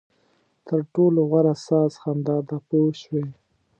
تر ټولو غوره ساز خندا ده پوه شوې!.